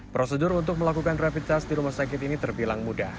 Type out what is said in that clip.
prosedur untuk melakukan rapid test di rumah sakit ini terbilang mudah